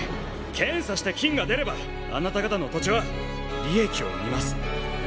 検査して金が出ればあなた方の土地は利益を生みます。